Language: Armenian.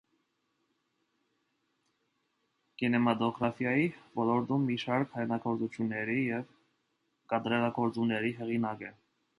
Կինեմատոգրաֆիայի ոլորտում մի շարք հայտնագործությունների և կատարելագործումների հեղինակ է։